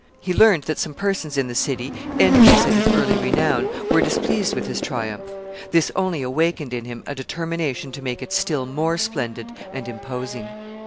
He learned that some persons in the city, envious at his early renown, were displeased with his triumph; this only awakened in him a determination to make it still more splendid and imposing.